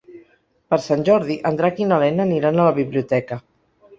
Per Sant Jordi en Drac i na Lena aniran a la biblioteca.